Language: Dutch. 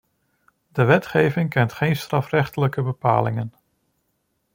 De wetgeving kent geen strafrechtelijke bepalingen.